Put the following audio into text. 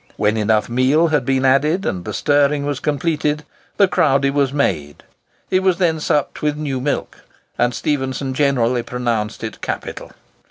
When enough meal had been added, and the stirring was completed, the crowdie was made. It was then supped with new milk, and Stephenson generally pronounced it "capital!"